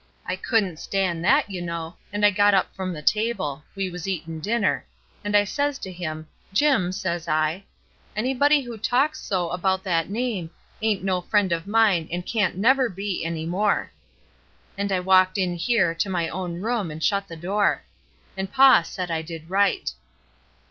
I couldn't stan' that, you know, and I got up from the table — we was eatin' dinner — and I says to him, 'Jim,' says I, 'anybody who talks so about that name ain't no friend of mine and can't never be, any more.' And I walked in here, to my own room, and shut the door. And paw said I did right."